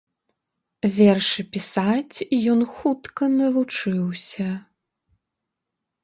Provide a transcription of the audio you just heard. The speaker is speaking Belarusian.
Вершы пісаць ён хутка навучыўся.